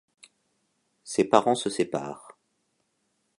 Ses parents se séparent.